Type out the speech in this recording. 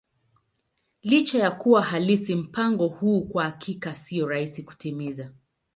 Licha ya kuwa halisi, mpango huu kwa hakika sio rahisi kutimiza.